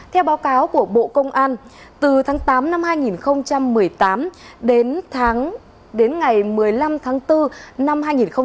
theo báo cáo của bộ công an từ tháng tám năm hai nghìn một mươi tám đến ngày một mươi năm tháng bốn năm hai nghìn một mươi chín